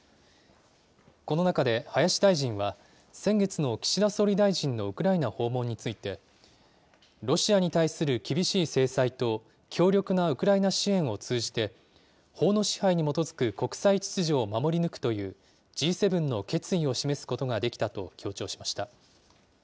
この中で林大臣は、先月の岸田総理大臣のウクライナ訪問について、ロシアに対する厳しい制裁と強力なウクライナ支援を通じて、法の支配に基づく国際秩序を守り抜くというＧ７の決意を示すことができたと強調しました。